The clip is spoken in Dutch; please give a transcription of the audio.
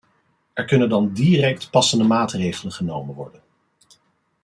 Er kunnen dan direct passende maatregelen genomen worden.